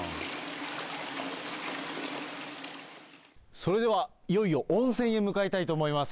それではいよいよ温泉へ向かいたいと思います。